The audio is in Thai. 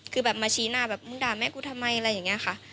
คือแบบมาชี้หน้าแบบมึงด่าแม่กูทำไมอะไรอย่างนี้ค่ะ